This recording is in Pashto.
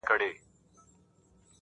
ستا پیغام به د بڼو پر څوکو وړمه-